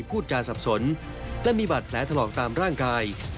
พูดจาสับสนและมีบาดแผลถลอกตามร่างกาย